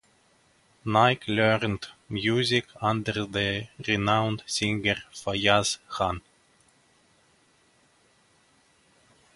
Naik learned music under the renowned singer Faiyaz Khan.